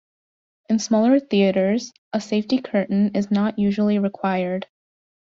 In smaller theatres, a safety curtain is not usually required.